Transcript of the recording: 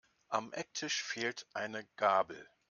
Am Ecktisch fehlt eine Gabel.